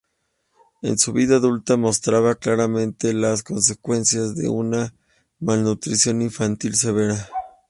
En su vida adulta mostraba claramente las consecuencias de una malnutrición infantil severa.